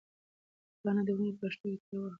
پاڼه د ونې په پښو کې تر واورو لاندې شوه.